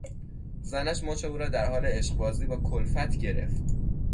زنش مچ او را در حال عشقبازی با کلفت گرفت.